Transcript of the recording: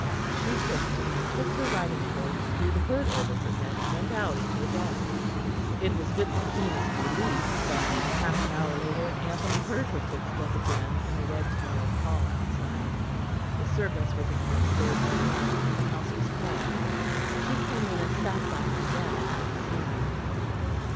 She kissed him and took her riding cloak, drew the hood over her head, and went out into the dark. It was with the keenest relief that, half an hour later, Anthony heard her footstep again in the red tiled hall outside. The servants were gone upstairs by now, and the house was quiet. She came in, and sat by him again and took his hand.